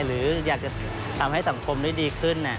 หรืออยากจะทำให้สังคมได้ดีขึ้น